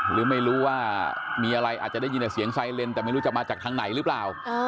หรือไม่รู้ว่ามีอะไรอาจจะได้ยินแต่เสียงไซเลนแต่ไม่รู้จะมาจากทางไหนหรือเปล่า